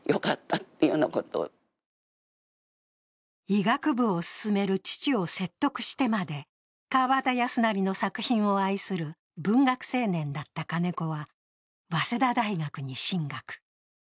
医学部を勧める父を説得してまで川端康成の作品を愛する文学青年だった金子は、早稲田大学に進学。